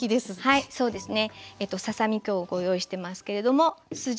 はいそうですね。